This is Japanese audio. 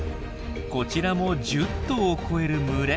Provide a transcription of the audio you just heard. こちらも１０頭を超える群れ。